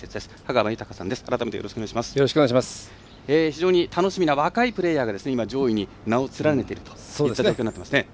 非常に楽しみな若いプレーヤーが今、上位に名を連ねているという状況になっていますね。